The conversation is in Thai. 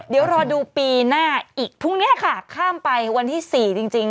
เดี๋ยวรอดูปีหน้าอีกพรุ่งนี้ค่ะข้ามไปวันที่๔จริง